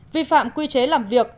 vi phạm quy chế làm việc